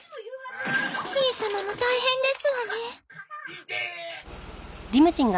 しん様も大変ですわね。